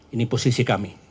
ini posisi kami